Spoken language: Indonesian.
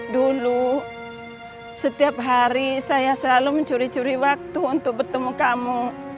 dulu setiap hari saya selalu mencuri curi waktu untuk bertemu kamu